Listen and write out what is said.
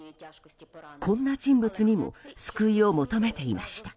こんな人物にも救いを求めていました。